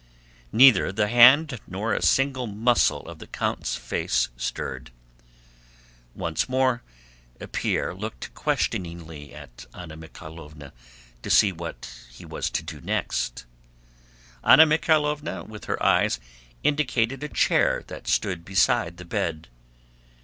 Neither the hand nor a single muscle of the count's face stirred. Once more Pierre looked questioningly at Anna Mikháylovna to see what he was to do next. Anna Mikháylovna with her eyes indicated a chair that stood beside the bed.